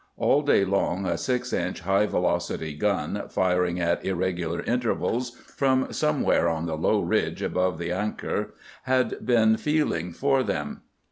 All day long a six inch high velocity gun, firing at irregular intervals from somewhere on the low ridge beyond the Ancre, had been feeling for them.